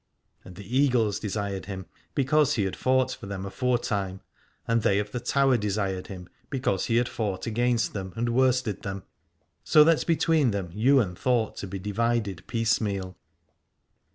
And the Eagles desired him because he had fought for them aforetime, and they of the Tower desired him because he had fought against them and worsted them : so that between them Ywain thought to be divided piecemeal.